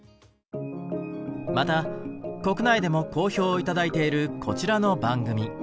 また国内でも好評を頂いているこちらの番組。